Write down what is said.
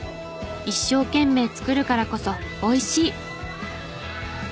一生懸命作るからこそおいしい！